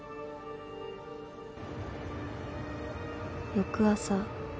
［翌朝］